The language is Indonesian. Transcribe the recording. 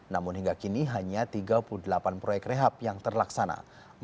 namun hingga kini hanya tiga puluh delapan proyek rehab yang terlaksana